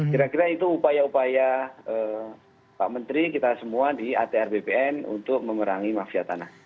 kira kira itu upaya upaya pak menteri kita semua di atr bpn untuk mengurangi mafia tanah